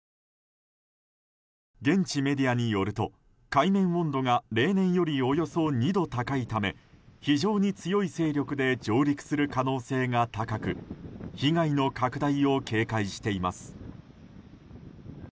現地メディアによると海面温度が例年よりおよそ２度高いため非常に強い勢力で上陸する可能性が高く被害の拡大を警戒しています。